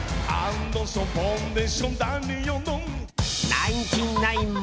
ナインティナインも。